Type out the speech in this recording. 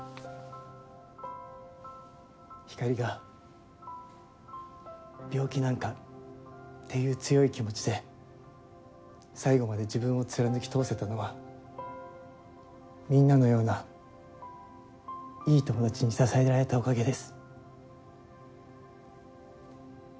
ひかりが病気なんかっていう強い気持ちで最後まで自分を貫き通せたのはみんなのようないい友達に支えられたおかげです。